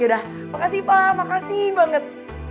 udah makasih pak makasih banget